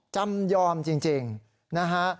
จำยอมจริงนะฮะ